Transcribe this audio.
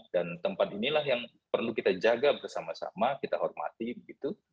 dan tempat inilah yang perlu kita jaga bersama sama kita hormati gitu